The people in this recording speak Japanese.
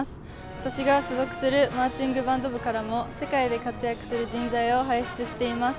私が所属するマーチングバンド部からも世界で活躍する人材を輩出しています。